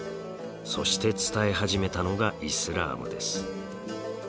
そして伝え始めたのがイスラームです。